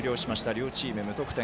両チーム無得点。